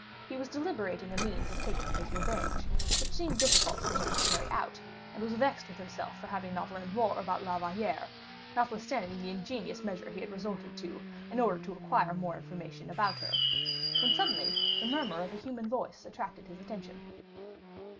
He was deliberating a means of taking his revenge, which seemed difficult for him to carry out, and was vexed with himself for not having learned more about La Valliere, notwithstanding the ingenious measures he had resorted to in order to acquire more information about her, when suddenly the murmur of a human voice attracted his attention.